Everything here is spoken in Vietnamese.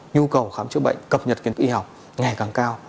nhu cầu khám chữa bệnh cập nhật kiến y học ngày càng cao